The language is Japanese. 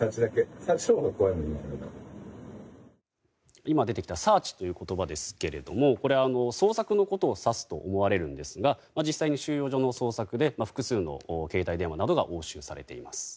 今出てきたサーチという言葉ですけども捜索のことを指すと思われるんですが実際に収容所の捜索で複数の携帯電話などが押収されています。